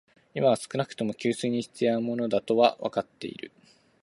今は少なくとも、給水に必要なものだとはわかっている